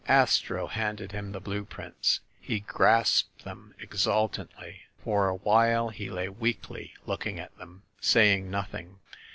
Astro handed him the blue prints. He grasped them exultantly. For a while he lay weakly looking at them, saying nothing.